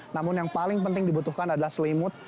namun yang paling penting dibutuhkan adalah selimut